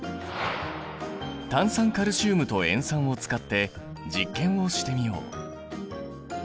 炭酸カルシウムと塩酸を使って実験をしてみよう。